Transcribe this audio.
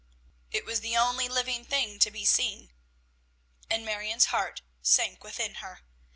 It was the only living thing to be seen, and Marion's heart sank within her.